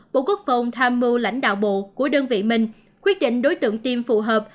bộ quốc phòng tham mưu lãnh đạo bộ của đơn vị mình quyết định đối tượng tiêm phù hợp